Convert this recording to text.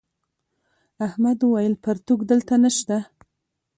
احمد وويل: پرتوگ دلته نشته.